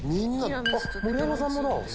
盛山さんもだ。